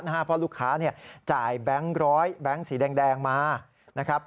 เพราะลูกค้าจ่ายแบงค์ร้อยแบงค์สีแดงมานะครับ